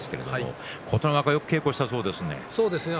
琴ノ若、よく稽古したそうですね。